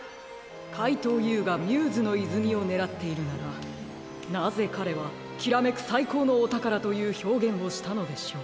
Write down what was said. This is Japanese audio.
かいとうＵがミューズのいずみをねらっているならなぜかれは「きらめくさいこうのおたから」というひょうげんをしたのでしょう？